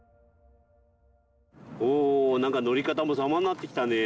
おおなんか乗り方もさまになってきたね。